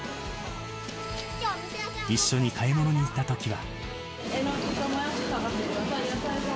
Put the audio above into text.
一緒に買い物に行ったときには。